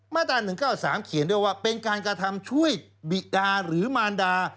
มาตรา๑๙๓เขียนด้วยว่าเป็นการกระทำช่วยบิดาหรือมารดา